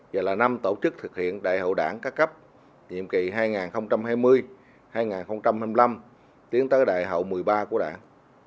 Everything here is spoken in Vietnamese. và là năm tổ chức thực hiện đại hội đảng các cấp nhiệm kỳ hai nghìn hai mươi hai nghìn hai mươi năm tiến tới đại hội một mươi ba của đảng